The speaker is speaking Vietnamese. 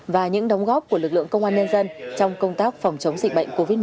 và những đóng góp của lực lượng công an nhân dân trong công tác phòng chống dịch bệnh covid một mươi chín